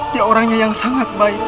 dia orangnya yang sangat baik